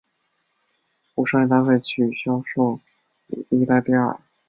无商业搭配曲销售历代第二。